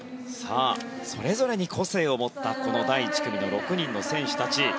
それぞれに個性を持ったこの第１組の６人の選手たち。